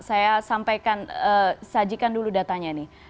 saya sampaikan sajikan dulu datanya nih